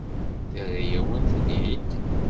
Terra-yawen-ten-id?